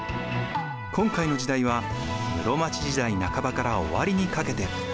今回の時代は室町時代半ばから終わりにかけて。